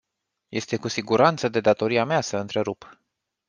Este cu siguranță de datoria mea să întrerup.